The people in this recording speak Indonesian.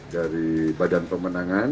dari badan pemenangan